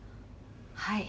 はい。